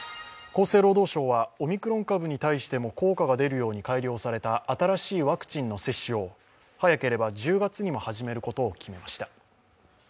厚生労働省は、オミクロン株に対しても効果が出るように改良された新しいワクチンの接種を早ければ１０月にも始めることを決めました。